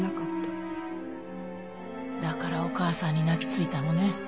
だからお母さんに泣きついたのね。